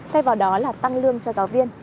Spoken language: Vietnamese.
thay vào đó là tăng lương cho giáo viên